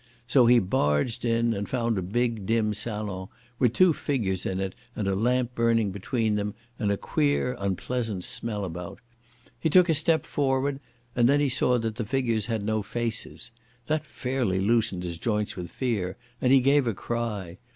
So he barged in, and found a big, dim salon with two figures in it and a lamp burning between them, and a queer, unpleasant smell about. He took a step forward, and then he saw that the figures had no faces. That fairly loosened his joints with fear, and he gave a cry.